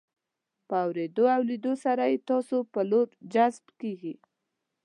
په اورېدو او لیدو سره یې ستاسو په لور جذب کیږي.